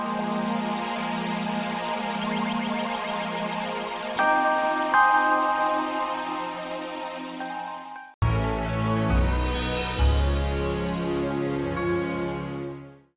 terima kasih pak